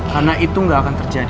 karena itu gak akan terjadi arin